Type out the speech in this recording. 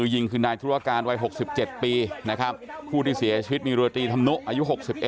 ยิงคือนายธุรการวัย๖๗ปีนะครับผู้ที่เสียชีวิตมีเรือตีธรรมนุอายุ๖๑